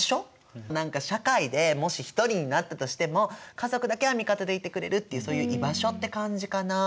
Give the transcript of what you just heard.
何か社会でもし一人になったとしても家族だけは味方でいてくれるっていうそういう居場所って感じかな。